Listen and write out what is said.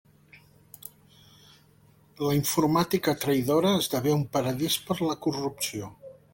La informàtica traïdora esdevé un paradís per a la corrupció.